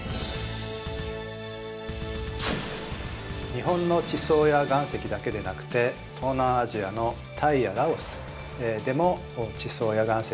日本の地層や岩石だけでなくて東南アジアのタイやラオスでも地層や岩石を調べています